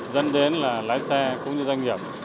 dẫn đến là lái xe cũng như doanh nghiệp